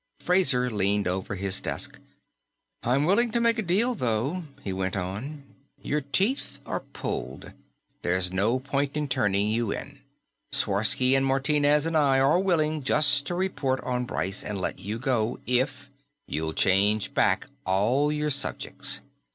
Fraser leaned over his desk. "I'm willing to make a deal, though," he went on. "Your teeth are pulled; there's no point in turning you in. Sworsky and Martinez and I are willing just to report on Bryce, and let you go, if you'll change back all your subjects.